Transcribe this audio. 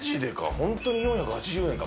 本当に４８０円か？